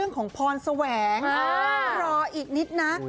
น่าจะใช่